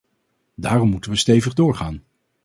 Daarom moeten we stevig doorgaan.